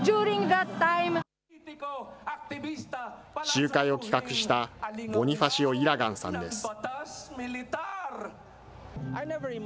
集会を企画したボニファシオ・イラガンさんです。